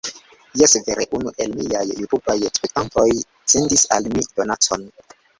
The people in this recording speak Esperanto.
Jes, vere unu el miaj Jutubaj spektantoj sendis al mi donacon!